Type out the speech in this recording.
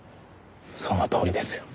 そのとおりですよ。